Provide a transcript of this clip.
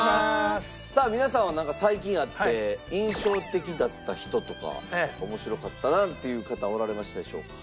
さあ皆さんはなんか最近会って印象的だった人とか面白かったなっていう方おられましたでしょうか？